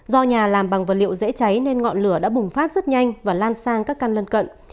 do nhà làm bằng vật liệu dễ cháy nên ngọn lửa đã bùng phát rất nhanh và lan sang các căn lân cận